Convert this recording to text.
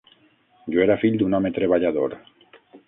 Jo era fill d'un home treballador.